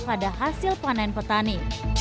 pada hasil panen petani